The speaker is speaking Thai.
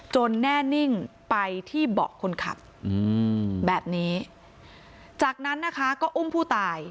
แน่นิ่งไปที่เบาะคนขับแบบนี้จากนั้นนะคะก็อุ้มผู้ตาย